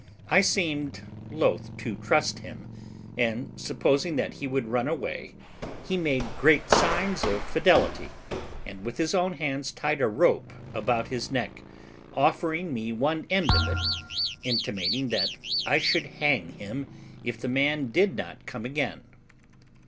I seemed loth to trust him, and supposing that he would run away, he made great signs of fidelity, and with his own hands tied a rope about his neck, offering me one end of it, intimating that I should hang him if the man did not come again.